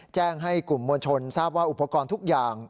แจ้งให้กลุ่มมวลชนทราบว่าอุปกรณ์ทุกอย่าง